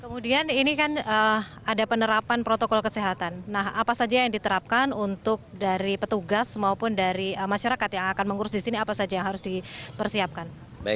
kemudian ini kan ada penerapan protokol kesehatan nah apa saja yang diterapkan untuk dari petugas maupun dari masyarakat yang akan mengurus di sini apa saja yang harus dipersiapkan